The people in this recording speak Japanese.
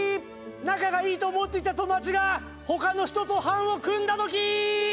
仲がいいと思っていた友達が他の人と班を組んだときー。